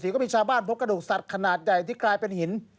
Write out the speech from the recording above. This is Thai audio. ก็มีชาวบ้านพบกระดูกสัตว์ขนาดใหญ่ที่กลายเป็นหิน